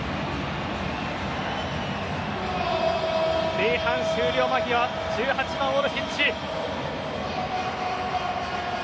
前半終了間際１８番、オルシッチ。